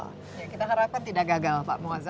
kita harapkan tidak gagal pak muazzam